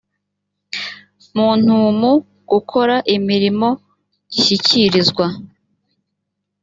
muntumu gukora imirimo gishyikirizwa